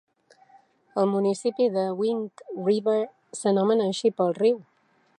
El municipi de Wing River s'anomena així pel riu.